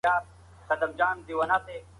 خلک باید سم معلومات ترلاسه کړي.